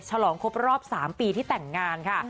ฉลองครบรอบ๓ปีที่แต่งงานค่ะ